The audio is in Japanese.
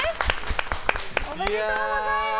おめでとうございます。